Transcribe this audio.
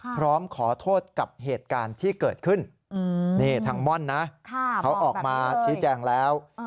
พร้อมขอโทษกับเหตุการณ์ที่เกิดขึ้นนี่ทางม่อนนะเขาออกมาชี้แจงแล้ว